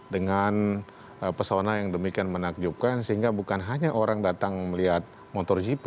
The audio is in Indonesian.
dengan pesona yang demikian menakjubkan sehingga bukan hanya orang datang melihat motogp